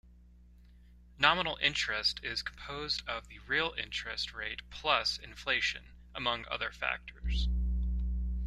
Nominal interest is composed of the real interest rate plus inflation, among other factors.